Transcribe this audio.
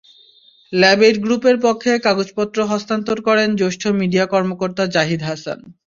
ল্যাবএইড গ্রুপের পক্ষে কাগজপত্র হস্তান্তর করেন জ্যেষ্ঠ মিডিয়া কর্মকর্তা জাহিদ হাসান।